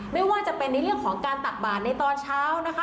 ไม่ว่าจะเป็นในเรื่องของการตักบาดในตอนเช้านะคะ